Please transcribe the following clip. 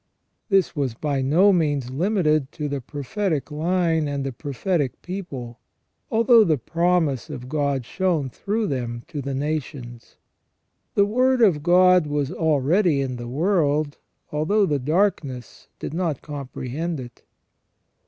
This was by no means limited to the prophetic line and the prophetic people, although the promise of God shone through them to the nations. The Word of God was already in the world, although the darkness did not comprehend it.